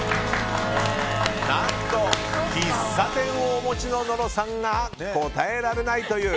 何と、喫茶店をお持ちの野呂さんが答えられないという。